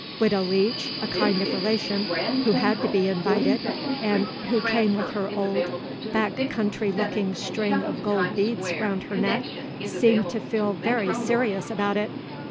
Widow Leech, a kind of relation, who had to be invited, and who came with her old, back country looking string of gold beads round her neck, seemed to feel very serious about it.